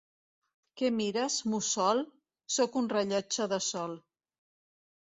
Què mires, mussol?... Soc un rellotge de Sol.